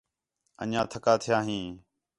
انڄیاں تَھکا تھیاں ہیں